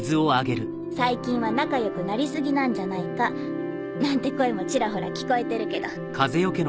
最近は仲良くなり過ぎなんじゃないかなんて声もちらほら聞こえてるけど。